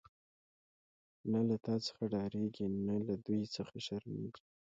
نه له تا څخه ډاريږی، نه له دوی څخه شرميږی